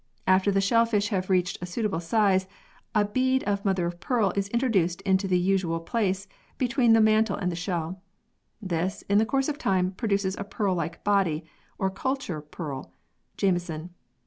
After the shellfish have reached a suitable size, a bead of mother of pearl is introduced in the usual place between the mantle and shell. This, in the course of time, produces a pearl like body or culture pearl (Jameson).